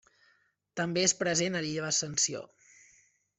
També és present a l'Illa de l'Ascensió.